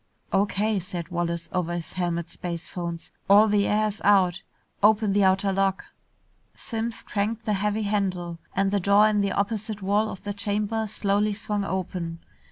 "O.K.," said Wallace over his helmet spacephones. "All the air's out. Open the outer lock." Simms cranked the heavy handle, and the door in the opposite wall of the chamber slowly swung open.